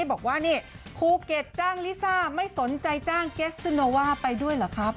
บอกว่านี่ภูเก็ตจ้างลิซ่าไม่สนใจจ้างเกสซิโนว่าไปด้วยเหรอครับ